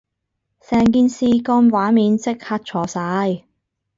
成件事個畫面即刻錯晒